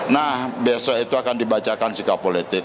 nah besok itu akan dibacakan sikap politik